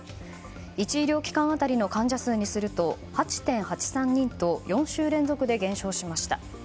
１医療機関当たりの患者数にすると８．８３人と４週連続で減少しました。